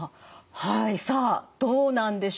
はいさあどうなんでしょうか。